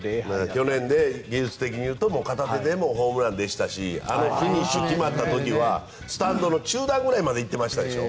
去年、技術的に言うと片手でもホームランでしたしフィニッシュ決まった時はスタンドの中段くらいまで行っていたでしょ。